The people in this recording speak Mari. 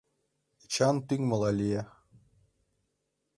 Эчан тӱҥмыла лие.